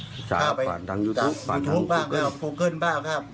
ปรึกษาผ่านทางยูทูปผ่านทางยูทูปบ้างแล้วโฟเกิลบ้าง